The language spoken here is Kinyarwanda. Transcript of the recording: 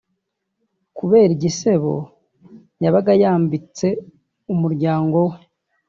kubera igisebo yabaga yambitse umuryango we